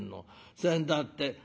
せんだって